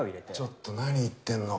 ちょっと何言ってんのか。